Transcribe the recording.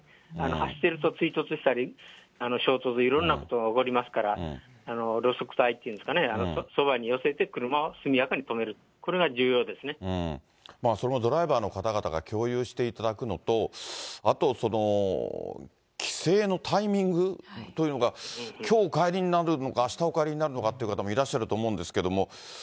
走っていると、追突したり、衝突、いろんなことが起こりますから、路側帯というんですかね、そばに寄せて、車を速やかに止める、それもドライバーの方々が共有していただくのと、あと、きせいのタイミングというのが、きょうお帰りになるのか、あしたお帰りになるのかって方もいらっしゃると思うんですけども。